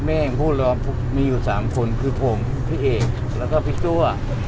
แม่ยังพูดเลยว่ามีอยู่๓คนคือผมพี่เอกแล้วก็พี่ตัว